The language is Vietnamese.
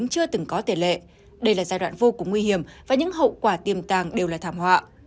chưa từng có tiền lệ đây là giai đoạn vô cùng nguy hiểm và những hậu quả tiềm tàng đều là thảm họa